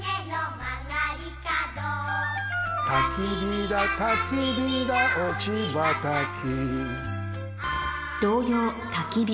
たきびだたきびだおちばたき